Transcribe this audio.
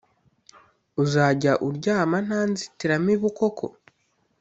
Uzajya uryama ntanzitiramibu koko